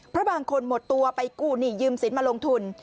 เพราะบางคนหมดตัวไปกู้หนี้ยืมสินมาลงทุน